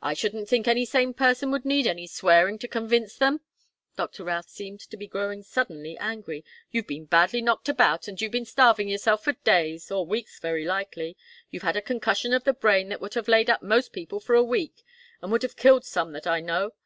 "I shouldn't think any sane person would need any swearing to convince them!" Doctor Routh seemed to be growing suddenly angry. "You've been badly knocked about, and you've been starving yourself for days or weeks, very likely. You've had a concussion of the brain that would have laid up most people for a week, and would have killed some that I know.